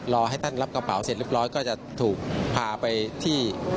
รอให้ท่านรับกระเป๋าเสร็จเรียบร้อยก็จะถูกพาไปที่